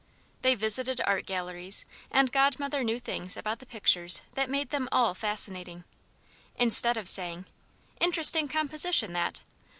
They visited art galleries, and Godmother knew things about the pictures that made them all fascinating. Instead of saying, "Interesting composition, that!"